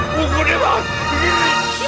buku di bawah di sini